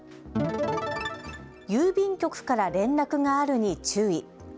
郵便局から連絡があるに注意。